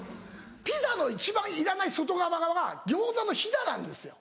ピザの一番いらない外側が餃子のヒダなんですよ。